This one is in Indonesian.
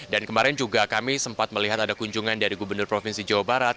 dan kemarin juga kami sempat melihat ada kunjungan dari gubernur provinsi jawa barat